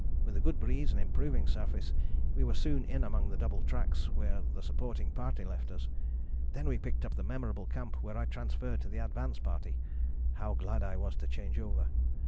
With a good breeze and improving surface we were soon in among the double tracks where the supporting party left us. Then we picked up the memorable camp where I transferred to the advance party. How glad I was to change over.